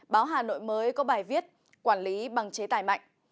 báo hà nội mới có bài viết quản lý bằng chế tài mạnh